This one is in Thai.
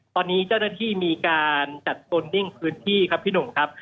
ตอนนี้เจ้าหน้าที่มีการจัดโซนนิ่งพื้นที่ครับพี่หนุ่มครับ